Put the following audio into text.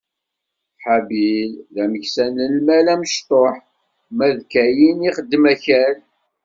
Habil, d ameksa n lmal amecṭuḥ, ma d Kayin ixeddem akal.